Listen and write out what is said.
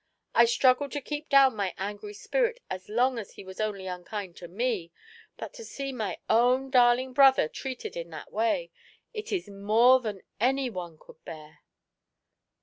I struggled to keep down my angry spirit as long as he was only unkind to me; but to see my own darling brother treated in that way — it is more than any one could bear."